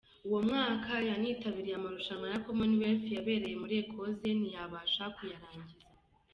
Uwo mwaka yanitabiriye amarushanwa ya Commonwealth Games yabereye muri Écosse ntiyabasha kurangiza.